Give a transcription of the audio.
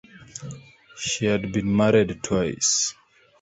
She had been married twice.